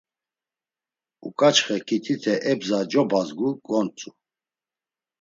Uǩaçxe ǩitite ebza cobazgu. Gontzu.